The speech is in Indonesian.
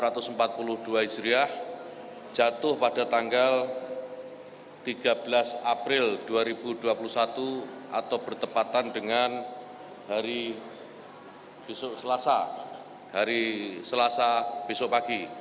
satu ramadhan seribu empat ratus empat puluh dua hijriah jatuh pada tanggal tiga belas april dua ribu dua puluh satu atau bertepatan dengan hari selasa besok pagi